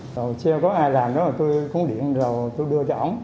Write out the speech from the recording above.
rồi sau đó có ai làm rồi tôi cúng điện rồi tôi đưa cho ông